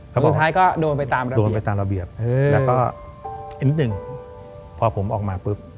สุดท้ายก็โดนไปตามระเบียบแล้วก็นิดนึงพอผมออกมาปุ๊บ